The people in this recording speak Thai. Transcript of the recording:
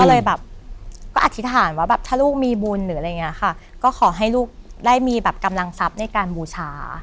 ก็เลยแบบก็อธิษฐานว่าแบบถ้าลูกมีบุญหรืออะไรอย่างเงี้ยค่ะก็ขอให้ลูกได้มีแบบกำลังทรัพย์ในการบูชา